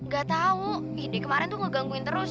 gak tau ide kemarin tuh ngegangguin terus